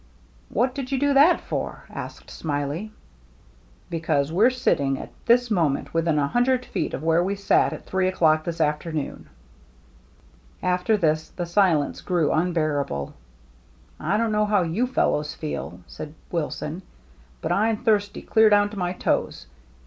" What did you do that for ?" asked Smiley. " Because we're sitting at this moment within a hundred feet of where we sat at three o'clock this afternoon." 268 THE MERRT ANNE After this the silence grew unbearable. " I don't know how you fellows feel," said Wilson, " but I'm thirsty clear down to my toes.